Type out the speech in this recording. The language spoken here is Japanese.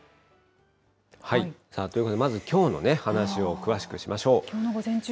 ということで、まずきょうの話を詳しくしましょう。